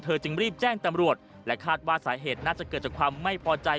จึงรีบแจ้งตำรวจและคาดว่าสาเหตุน่าจะเกิดจากความไม่พอใจ